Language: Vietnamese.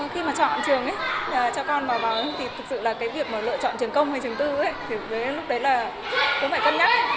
khi mà chọn trường cho con vào thì thực sự là cái việc mà lựa chọn trường công hay trường tư thì lúc đấy là cũng phải cân nhắc